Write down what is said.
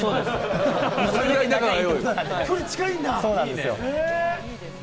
距離近いんだ。